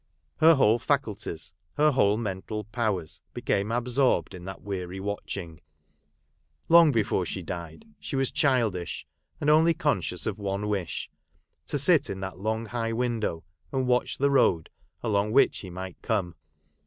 Her whole faculties, her whole mental powers, became absorbed in that weaiy watching ; long before she died, she was childish, and only conscious of one wish — to sit in that long high window, and watch the road, along which he might come.